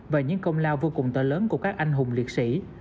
và những công lao vô cùng to lớn của các anh hùng liệt sĩ